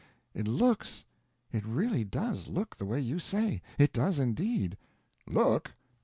"It looks—it really does look the way you say; it does indeed." "Look?